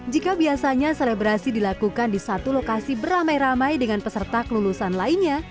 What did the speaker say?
jika biasanya selebrasi dilakukan di satu lokasi beramai ramai dengan peserta kelulusan lainnya